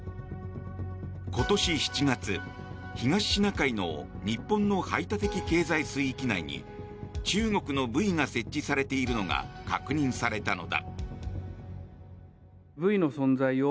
今年７月、東シナ海の日本の排他的経済水域内に中国のブイが設置されているのが確認されたのだ。